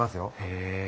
へえ。